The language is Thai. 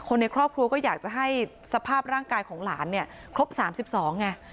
ในครอบครัวก็อยากจะให้สภาพร่างกายของหลานเนี่ยครบ๓๒ไง